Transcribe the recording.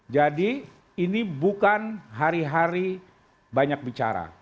jadi ini bukan hari hari banyak bicara